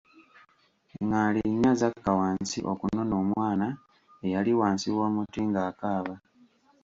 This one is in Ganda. Ngaali nnya zakka wansi okunona omwana eyali wansi w'omuti ng'akaaba.